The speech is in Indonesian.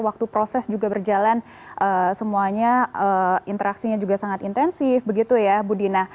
waktu proses juga berjalan semuanya interaksinya juga sangat intensif begitu ya bu dina